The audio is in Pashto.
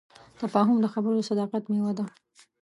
تفاهم د خبرو د صداقت میوه ده.